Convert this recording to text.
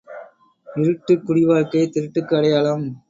இருட்டுக் குடிவாழ்க்கை திருட்டுக்கு அடையாளம்.